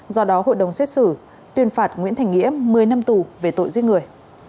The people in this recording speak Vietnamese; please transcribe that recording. do đó hội đồng xét xử tuyên phạt nguyễn thành nghĩa một mươi năm tù về tội giết người